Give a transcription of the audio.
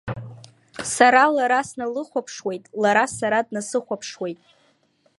Сара лара сналыхәаԥшуеит, лара сара днасыхәаԥшуеит.